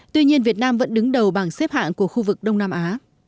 tuy nhiên việt nam vẫn đứng đầu bảng xếp hạng của khu vực đông nam á